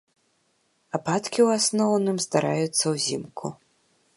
Ападкі ў асноўным здараюцца ўзімку.